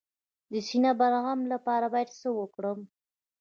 د سینه بغل لپاره باید څه وکړم؟